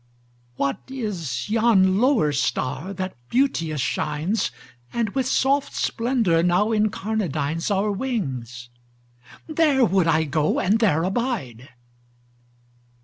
What is yon lower star that beauteous shines And with soft splendor now incarnadines Our wings? There would I go and there abide."